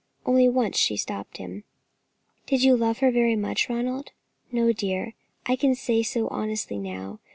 Only once she stopped him. "Did you love her very much, Ronald?" "No, dear; I can say so honestly now.